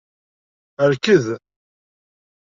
Rked!